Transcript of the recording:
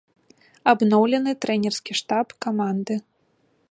Абноўлены трэнерскі штаб каманды.